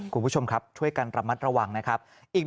คุณผู้ชมครับช่วยกันระมัดระวังนะครับ